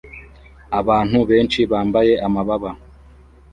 Abantu benshi bambaye amababa